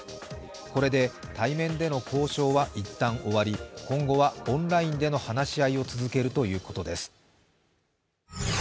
これで対面での交渉は一旦終わり、今後はオンラインでの話し合いを続けるということです。